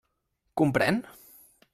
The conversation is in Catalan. Comprèn?